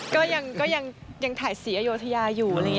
ก็ยังถ่ายสีอยโยธยาอยู่